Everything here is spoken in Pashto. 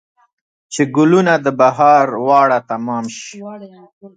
چې ګلونه د بهار واړه تمام شي